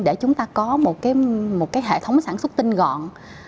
để chúng ta có một hệ thống sản xuất tinh gọn